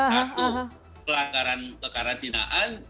satu pelanggaran karantinaan